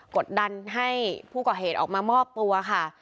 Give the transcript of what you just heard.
กดดันให้ผู้ก่อเหตุออกมามอบตัวค่ะ